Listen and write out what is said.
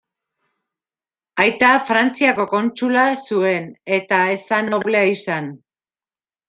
Aita Frantziako kontsula zuen eta ez zen noblea izan.